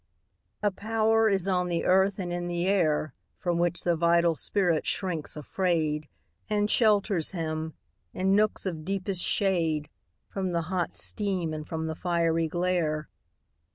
A power is on the earth and in the air From which the vital spirit shrinks afraid, And shelters him, in nooks of deepest shade, From the hot steam and from the fiery glare.